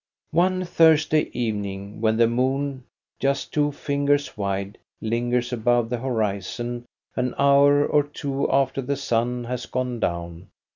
One Thursday evening, when the moon, just two fingers wide, lingers above the horizon an hour or two after the sun has gone down.